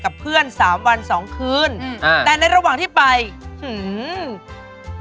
คือนี่คืออ่านไม่ออกใช่ไหม